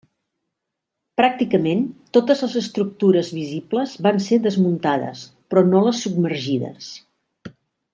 Pràcticament totes les estructures visibles van ser desmuntades, però no les submergides.